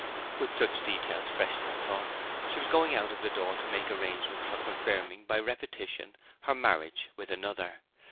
With such details fresh in her thoughts she was going out of the door to make arrangements for confirming, by repetition, her marriage with another.